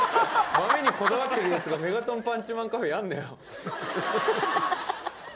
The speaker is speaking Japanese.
豆にこだわってるやつがメガトンパンチマンカフェやるなよ。